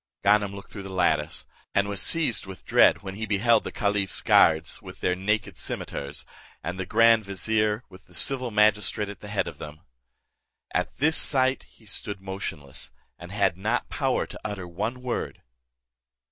Ganem looked through the lattice, and was seized with dread, when he beheld the caliph's guards with their naked cimeters, and the grand vizier, with the civil magistrate at the head of them. At this sight he stood motionless, and had not power to utter one word.